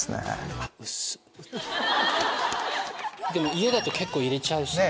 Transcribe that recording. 家だと結構入れちゃう。